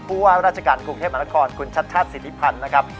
ผู้ว่าราชการกรุงเทพมนาคอลคุณชัชชาติศิริพรรณนะครับ